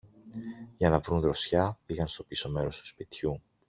Για να βρουν δροσιά, πήγαν στο πίσω μέρος του σπιτιού